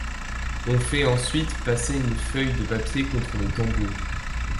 On fait ensuite passer une feuille de papier contre le tambour.